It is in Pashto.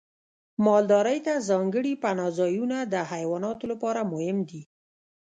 مالدارۍ ته ځانګړي پناه ځایونه د حیواناتو لپاره مهم دي.